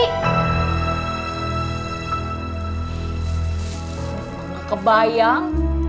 neng gak kebayang